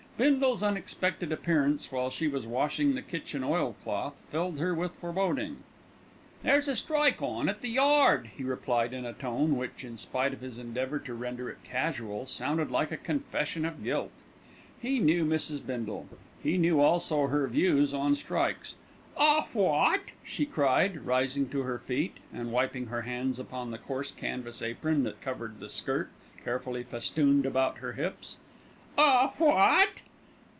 Bindle's unexpected appearance while she was washing the kitchen oilcloth filled her with foreboding. "There's a strike on at the yard," he replied in a tone which, in spite of his endeavour to render it casual, sounded like a confession of guilt. He knew Mrs. Bindle; he knew also her views on strikes. "A what?" she cried, rising to her feet and wiping her hands upon the coarse canvas apron that covered the skirt carefully festooned about her hips. "A what?"